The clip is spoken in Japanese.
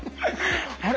あれ？